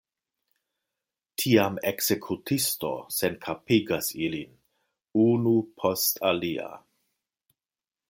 Tiam ekzekutisto senkapigas ilin unu post alia.